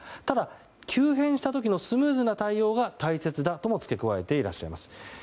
ただ急変した時のスムーズな対応は大切だとも付け加えていらっしゃいます。